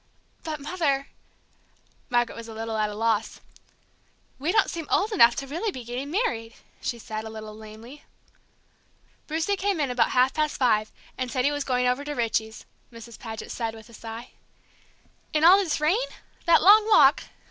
"But, Mother " Margaret was a little at a loss. "We don't seem old enough to really be getting married!" she said, a little lamely. "Brucie came in about half past five, and said he was going over to Richie's," Mrs. Paget said, with a sigh. "In all this rain that long walk!"